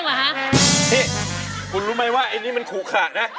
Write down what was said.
ฮี้ยคุณรู้มั้ยว่าไอดี้มันขูขานะ